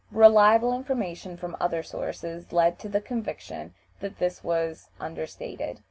Reliable information from other sources led to the conviction that this was understated.